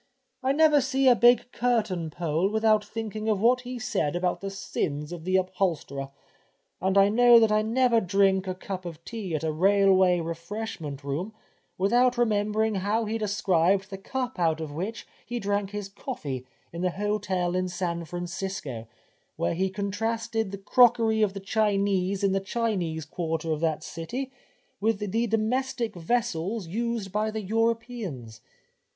I never see a big curtain pole without thinking of what he said about the sins of the upholsterer, and I know that I never drink a cup of tea at a railway refreshment room without remembering how he described the cup out of which he drank his coffee at the hotel in San Francisco, where he contrasted the crockery of the Chinese in the Chinese quarter of that city, with the domestic vessels used by the Europeans.